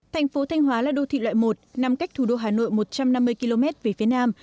thành phố thanh hóa là đô thị loại một nằm cách thủ đô hà nội một trăm năm mươi km về phía nam